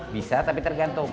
bisa tapi tergantung